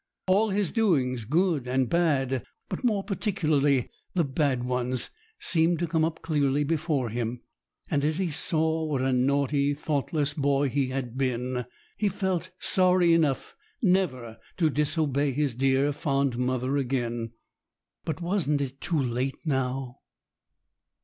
All his doings, good and bad, but more particularly the bad ones, seemed to come up clearly before him, and as he saw what a naughty, thoughtless boy he had been, he felt sorry enough never to disobey his dear, fond mother again. But wasn't it too late now?